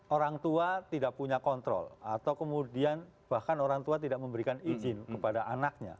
orang tua tidak punya kontrol atau kemudian bahkan orang tua tidak memberikan izin kepada anaknya